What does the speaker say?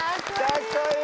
かっこいい！